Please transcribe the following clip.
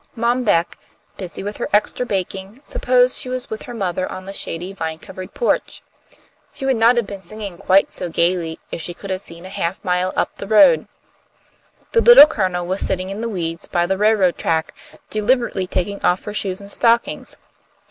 Mom Beck, busy with her extra baking, supposed she was with her mother on the shady, vine covered porch. She would not have been singing quite so gaily if she could have seen half a mile up the road. The Little Colonel was sitting in the weeds by the railroad track, deliberately taking off her shoes and stockings.